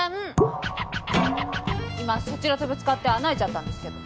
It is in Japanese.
今そちらとぶつかって穴開いちゃったんですけど。